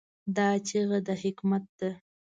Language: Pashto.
دا چیغه د حکمت ده.